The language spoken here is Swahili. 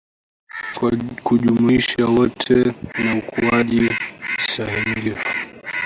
kwa kujumuisha wote na ukuaji stahimilivu